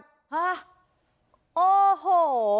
ฮะโอ้โห